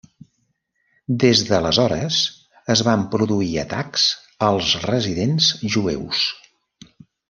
Des d'aleshores, es van produir atacs als residents jueus.